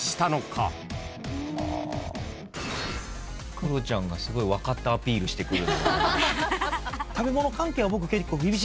クロちゃんが分かったアピールしてくる。